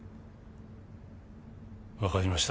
分かりました